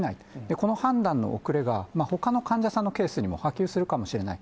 この判断の遅れが、ほかの患者さんのケースにも波及するかもしれない。